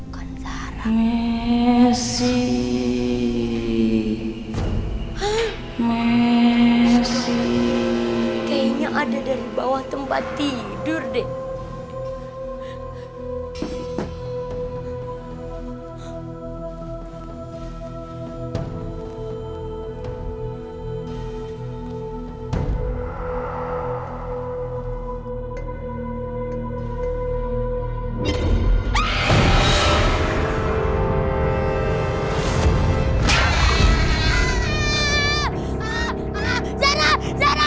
kayaknya ada dari bawah tempat tidur deh